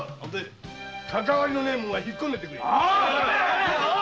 かかわりのねえ者はひっこんでてくれ！